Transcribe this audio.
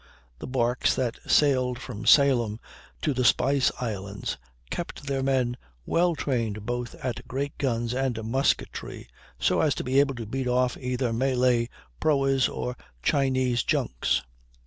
The barques that sailed from Salem to the Spice Islands kept their men well trained both at great guns and musketry, so as to be able to beat off either Malay proas, or Chinese junks.